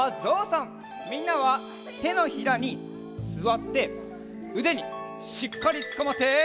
みんなはてのひらにすわってうでにしっかりつかまって。